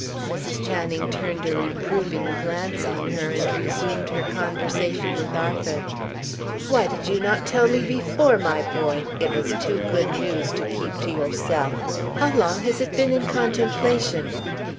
Mrs. Channing turned a reproving glance on her, and resumed her conversation with Arthur. "Why did you not tell me before, my boy? It was too good news to keep to yourself. How long has it been in contemplation?"